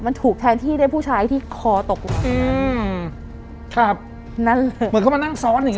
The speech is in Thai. มันถูกแทนที่ได้ผู้ชายที่คอตกลงอืมครับนั่นแหละเหมือนเขามานั่งซ้อนอย่างง